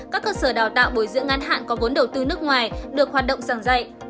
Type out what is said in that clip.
các cơ sở đào tạo bồi dưỡng ngắn hạn có vốn đầu tư nước ngoài được hoạt động giảng dạy